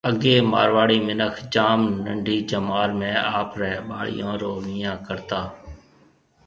اگَي مارواڙي مِنک جام ننڊِي جمار ۾ آپرَي ٻاݪيون رو وڃان ڪرتا